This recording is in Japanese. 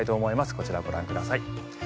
こちらをご覧ください。